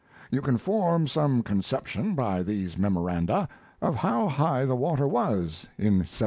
You can form some conception, by these memoranda, of how high the water was in 1763.